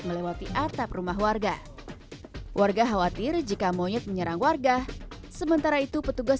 melewati atap rumah warga warga khawatir jika monyet menyerang warga sementara itu petugas